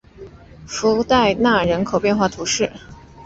弗代纳人口变化图示